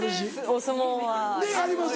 お相撲はやります。